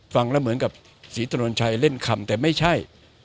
ฟังแล้วเหมือนกับศรีถนนชัยเล่นคำแต่ไม่ใช่